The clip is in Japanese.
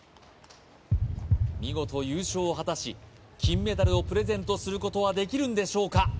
見事優勝を果たし金メダルをプレゼントすることはできるんでしょうか？